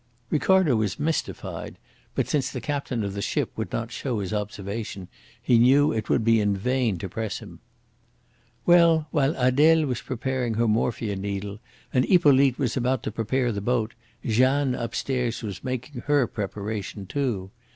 Ricardo was mystified; but since the captain of the ship would not show his observation, he knew it would be in vain to press him. "Well, while Adele was preparing her morphia needle and Hippolyte was about to prepare the boat, Jeanne upstairs was making her preparation too.